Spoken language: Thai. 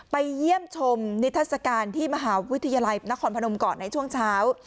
ไปเยี่ยมชมนิทัศกาลที่มหาวิทยาลัยนครพนมก่อนในช่วงเช้า